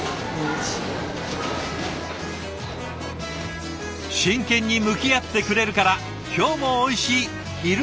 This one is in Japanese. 真剣に向き合ってくれるから今日もおいしい昼はくる。